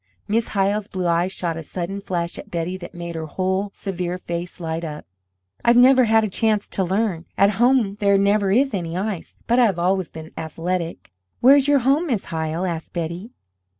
Miss Hyle's blue eyes shot a sudden flash at Betty that made her whole severe face light up. "I've never had a chance to learn at home there never is any ice but I have always been athletic." "Where is your home, Miss Hyle?" asked Betty.